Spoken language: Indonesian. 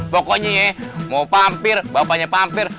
pokoknya ya mau vampir bapaknya vampir